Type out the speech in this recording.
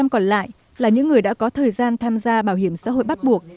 một mươi còn lại là những người đã có thời gian tham gia bảo hiểm xã hội bắt buộc